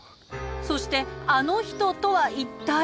そして「あの人」とは一体？